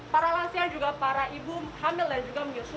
para lansia juga para ibu hamil dan juga menyusui